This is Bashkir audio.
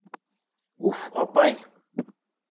Уф, апай!